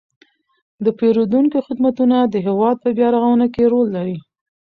د پیرودونکو خدمتونه د هیواد په بیارغونه کې رول لري.